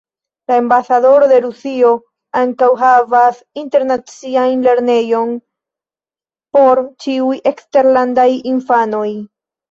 La ambasado de Rusio ankaŭ havas internacian lernejon por ĉiuj eksterlandaj infanoj.